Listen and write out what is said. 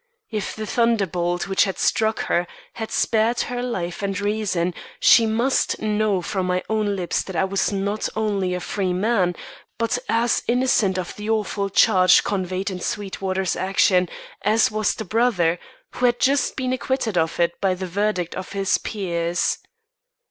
If the thunderbolt which had struck her had spared her life and reason she must know from my own lips that I was not only a free man, but as innocent of the awful charge conveyed in Sweetwater's action as was the brother, who had just been acquitted of it by the verdict of his peers.